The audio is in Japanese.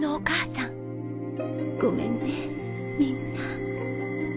ごめんねみんな。